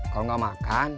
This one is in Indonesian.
kalau nggak makan